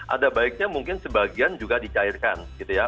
ada baiknya mungkin sebagian juga dicairkan gitu ya